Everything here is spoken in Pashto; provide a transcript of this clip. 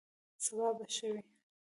سبا به ښه وي